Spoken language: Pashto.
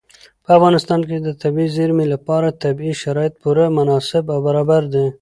په افغانستان کې د طبیعي زیرمې لپاره طبیعي شرایط پوره مناسب او برابر دي.